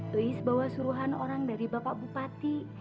tulis bawa suruhan orang dari bapak bupati